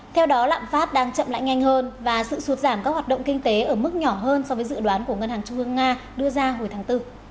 theo đó lạm phát đang chậm lại nhanh hơn và sự sụt giảm các hoạt động kinh tế ở mức nhỏ hơn so với dự đoán của ngân hàng trung ương nga đưa ra hồi tháng bốn